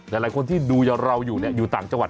หลายคนที่ดูเราอยู่อยู่ต่างจังหวัด